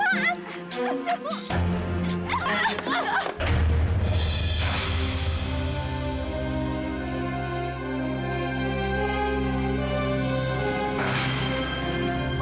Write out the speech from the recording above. apaan sih bu